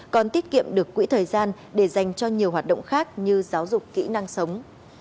còn tiết kiệm được quỹ thời gian để dành cho nhiều hoạt động khác như giáo dục kỹ năng sống